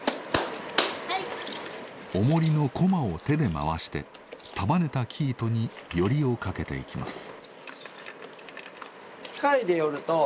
おもりのこまを手で回して束ねた生糸によりをかけていきます。